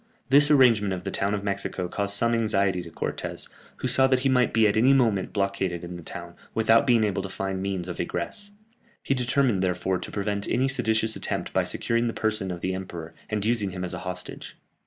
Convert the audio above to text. This arrangement of the town of Mexico caused some anxiety to Cortès, who saw that he might be at any moment blockaded in the town, without being able to find means of egress. He determined, therefore, to prevent any seditious attempt by securing the person of the emperor, and using him as a hostage.